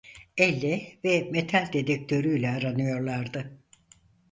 Elle ve metal dedektörüyle aranıyorlardı.